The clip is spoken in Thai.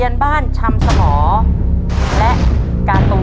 ต้นไม้ประจำจังหวัดระยองการครับ